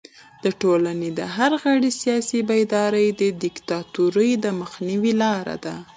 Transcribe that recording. د ټولنې د هر غړي سیاسي بیداري د دیکتاتورۍ د مخنیوي لاره ده.